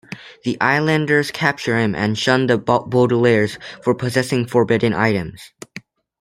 The islanders capture him and shun the Baudelaires for their possessing forbidden items.